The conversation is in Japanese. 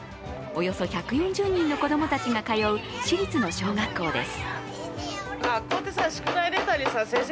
およそ１４０人の子供たちが通う私立の小学校です。